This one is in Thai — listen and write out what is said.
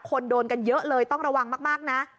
คนโดนกันเยอะเลยต้องระวังมากนะ